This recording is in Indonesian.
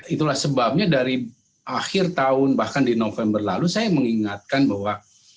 itulah sebabnya dari akhir tahun bahkan di november lalu saya mengingatkan bahwa